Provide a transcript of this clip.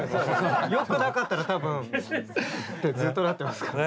よくなかったら多分ってずっとなってますから。